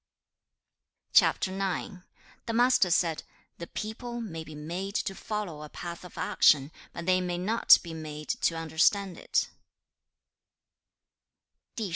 CHAP. IX. The Master said, 'The people may be made to follow a path of action, but they may not be made to understand it.'